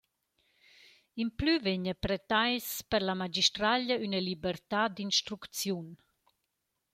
Implü vegna pretais per la magistraglia üna libertà d’instrucziun.